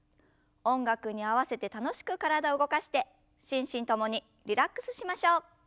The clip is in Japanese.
音楽に合わせて楽しく体を動かして心身ともにリラックスしましょう。